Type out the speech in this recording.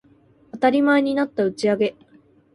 当たり前になった打ち上げ